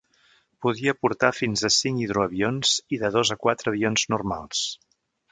Podia portar fins a cinc hidroavions i de dos a quatre avions normals.